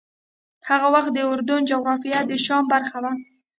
هغه وخت د اردن جغرافیه د شام برخه وه.